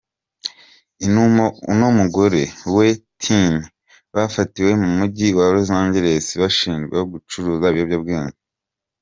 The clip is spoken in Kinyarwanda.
I n’umugore weTiny bafatiwe mu mujyi wa Los Angeles bashinjwa gucuruza ibiyobyabwenge.